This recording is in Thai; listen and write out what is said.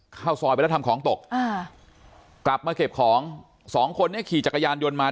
เข้าซอยไปแล้วทำของตกอ่ากลับมาเก็บของสองคนนี้ขี่จักรยานยนต์มา